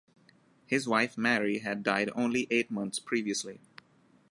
His wife Mary had died only eight months previously.